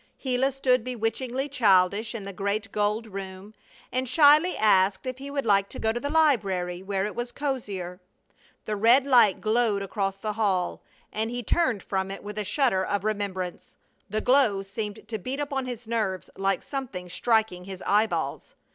Gila stood bewitchingly childish in the great gold room, and shyly asked if he would like to go to the library, where it was cozier. The red light glowed across the hall, and he turned from it with a shudder of remembrance. The glow seemed to beat upon his nerves like something striking his eyeballs.